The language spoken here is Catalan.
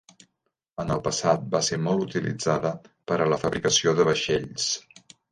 En el passat va ser molt utilitzada per a la fabricació de vaixells.